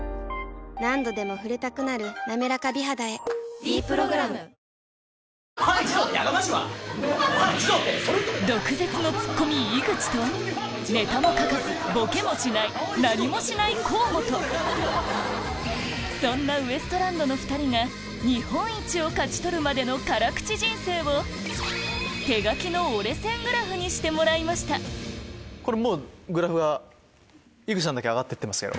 何度でも触れたくなる「なめらか美肌」へ「ｄプログラム」ネタも書かずボケもしないそんなウエストランドの２人が日本一を勝ち取るまでの辛口人生を手書きの折れ線グラフにしてもらいましたグラフが井口さんだけ上がってますけど。